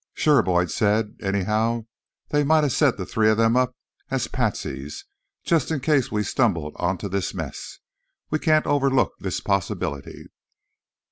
"Sure," Boyd said. "Anyhow, they might have set the three of them up as patsies, just in case we stumbled on to this mess. We can't overlook this possibility."